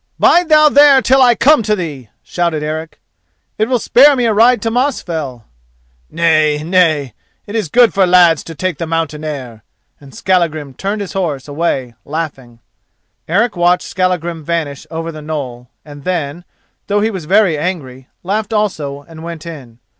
"Bide thou there till I can come to thee," shouted Eric; "it will spare me a ride to Mosfell." "Nay, nay. It is good for lads to take the mountain air," and Skallagrim turned his horse away, laughing. Eric watched Skallagrim vanish over the knoll, and then, though he was very angry, laughed also and went in.